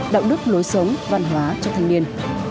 đạo đức lối sống văn hóa cho thanh niên